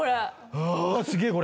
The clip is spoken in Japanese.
あすげえこれ。